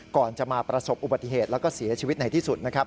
ก่อนจะมาประสบอุบัติเหตุแล้วก็เสียชีวิตในที่สุดนะครับ